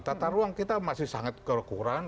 tata ruang kita masih sangat kekurang